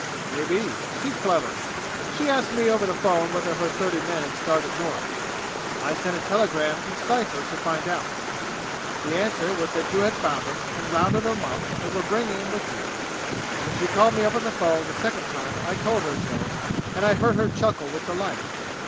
"Maybe. She's clever. She asked me over the phone whether her thirty men had started North. I sent a telegram in cypher to find out. The answer was that you had found 'em and rounded 'em up and were bringing 'em with you. When she called me up on the phone the second time I told her so, and I heard her chuckle with delight.